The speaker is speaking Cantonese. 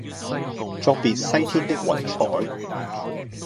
作別西天的雲彩